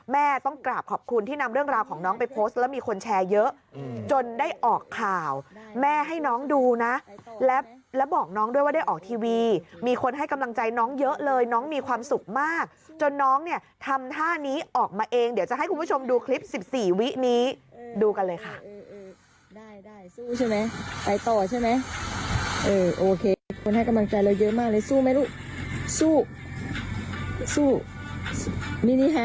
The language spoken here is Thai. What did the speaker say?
แม่ต้องกราบขอบคุณที่นำเรื่องราวของน้องไปโพสต์แล้วมีคนแชร์เยอะจนได้ออกข่าวแม่ให้น้องดูนะแล้วบอกน้องด้วยว่าได้ออกทีวีมีคนให้กำลังใจน้องเยอะเลยน้องมีความสุขมากจนน้องเนี่ยทำท่านี้ออกมาเองเดี๋ยวจะให้คุณผู้ชมดูคลิป๑๔วินี้ดูกันเลยค่ะ